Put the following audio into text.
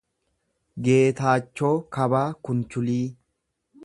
Geetaachoo Kabaa Kunchulii